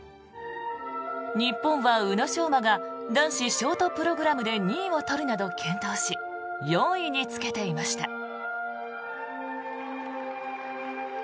日本は宇野昌磨が男子ショートプログラムで２位を取るなど、健闘し４位につけていました。